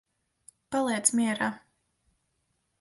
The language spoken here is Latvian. Paliec mierā.